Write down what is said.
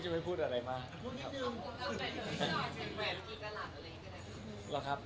ก็อย่าให้พูดเลยดีกว่านะครับ